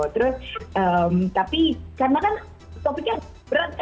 terus tapi karena kan topiknya berat kak ya